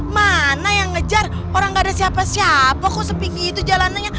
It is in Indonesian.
mana yang ngejar orang gak ada siapa siapa kok sepinggi itu jalanannya